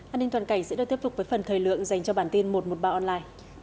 an ninh toàn cảnh sẽ được tiếp tục với phần thời lượng dành cho bản tin một trăm một mươi ba online